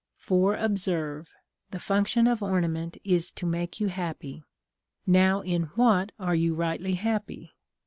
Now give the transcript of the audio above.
For observe, the function of ornament is to make you happy. Now in what are you rightly happy?